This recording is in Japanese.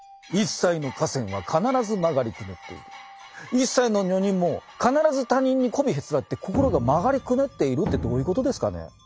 一切の女人も必ず他人にこびへつらって心が曲がりくねっているってどういうことですかね。